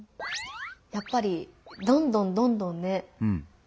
やっぱりどんどんどんどんね